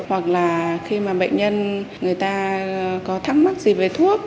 hoặc là khi mà bệnh nhân người ta có thắc mắc gì về thuốc